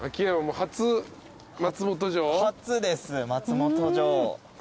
初です松本城。